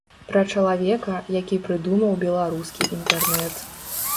Пра чалавека, які прыдумаў беларускі інтэрнэт.